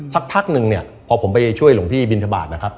สักพักนึงพอช่วยลงพี่บิณฑบาคนะครับ